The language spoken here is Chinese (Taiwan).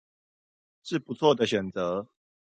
是不錯的選擇